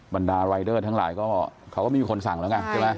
บรรดารายเดอร์ทั้งหลายเขาก็มีคนสั่งแล้วกัน